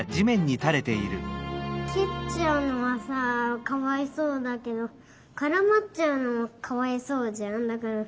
きっちゃうのはさかわいそうだけどからまっちゃうのもかわいそうじゃんだから。